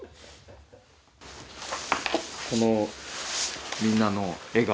このみんなの笑顔